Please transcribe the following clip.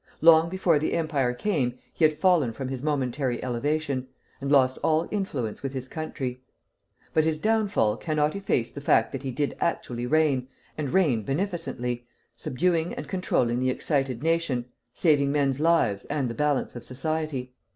Long before the Empire came, he had fallen from his momentary elevation, and lost all influence with his country. But his downfall cannot efface the fact that he did actually reign, and reign beneficently, subduing and controlling the excited nation, saving men's lives and the balance of society."